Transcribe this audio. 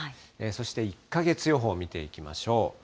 そして１か月予報見ていきましょう。